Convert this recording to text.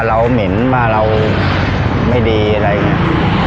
เหม็นว่าเราไม่ดีอะไรอย่างนี้